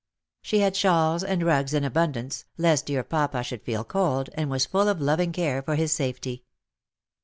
She had shawls and rugs in abundance, lest dear papa should feel cold, and was full of loving care for his safety.